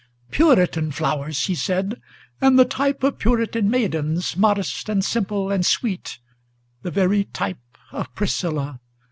"Puritan flowers," he said, "and the type of Puritan maidens, Modest and simple and sweet, the very type of Priscilla!